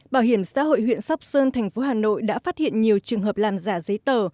bảo hiểm xã hội huyện sóc sơn thành phố hà nội đã phát hiện nhiều trường hợp làm giả giấy tờ